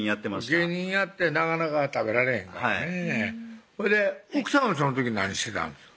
芸人やってなかなか食べられへんからねぇはいほいで奥さんはその時何してたんですか？